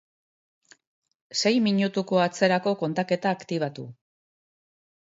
Sei minutuko atzerako kontaketa aktibatu